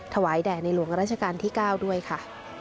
แด่ในหลวงราชการที่๙ด้วยค่ะ